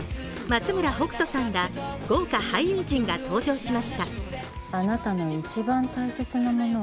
松村北斗さんら豪華俳優陣が登場しました。